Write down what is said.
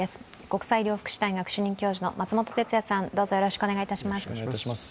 国際医療福祉大学主任教授の松本哲哉さん、よろしくお願いします。